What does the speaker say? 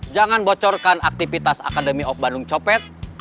jangan bocorkan aktivitas akademi of bandung copet